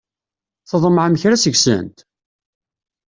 Tḍemɛem kra seg-sent?